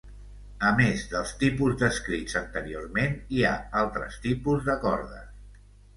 A més dels tipus descrits anteriorment hi ha altres tipus de cordes.